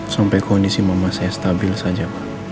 sampai kondisi mama saya stabil saja pak